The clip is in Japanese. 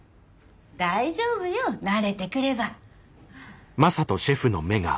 大丈夫よ慣れてくれば。